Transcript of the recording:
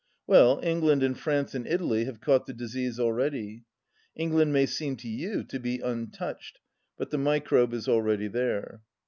Well, England and France and Italy have caught the disease al ready. England may seem to you to be un touched, but the microbe is already there."